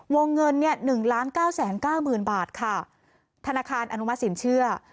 วงเงินเนี่ยหนึ่งล้านเก้าแสนเก้าหมื่นบาทค่ะธนาคารอนุมัติสินเชื่อ